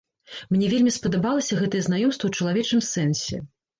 Мне вельмі спадабалася гэтае знаёмства ў чалавечым сэнсе.